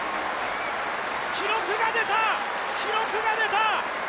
記録が出た、記録が出た！